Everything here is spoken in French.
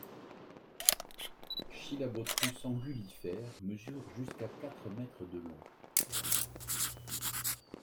Chilabothrus angulifer mesure jusqu'à quatre mètres de long.